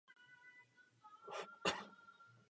A tady pomohlo jejich barvení.